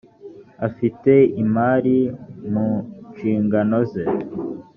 afite imari mu nshingano ze .